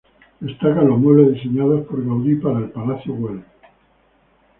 Destacan los muebles diseñados por Gaudí para el Palacio Güell.